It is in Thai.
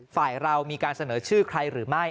ฝ่ายเรามีการเสนอชื่อใครหรือไม่